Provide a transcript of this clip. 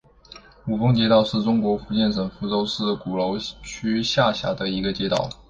五凤街道是中国福建省福州市鼓楼区下辖的一个街道。